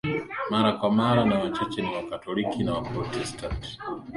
za mara kwa mara na wachache ni Wakatoliki na Waprotestanti